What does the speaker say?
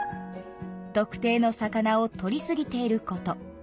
特定の魚をとりすぎていること。